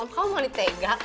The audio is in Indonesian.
kamu mah ditegak